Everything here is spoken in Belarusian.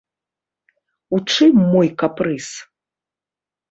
У чым мой капрыз?